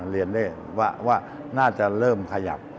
เรียนได้ว่าน่าจะเริ่มขยับ